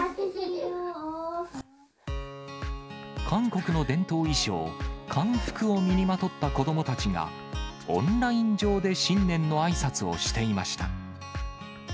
韓国の伝統衣装、韓服を身にまとった子どもたちが、オンライン上で新年のあいさつをしていました。